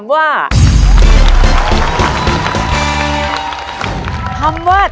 มีใจได้ขอกับเบอร์